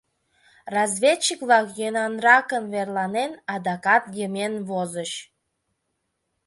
Разведчик-влак, йӧнанракын верланен, адакат йымен возыч.